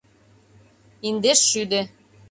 Индеш шӱдӧ